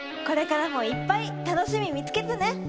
これからもいっぱいたのしみみつけてね。